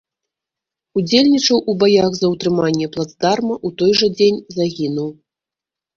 Удзельнічаў у баях за ўтрыманне плацдарма, у той жа дзень загінуў.